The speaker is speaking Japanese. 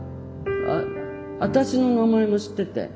あ私の名前も知ってて。